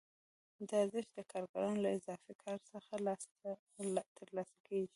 دا ارزښت د کارګرانو له اضافي کار څخه ترلاسه کېږي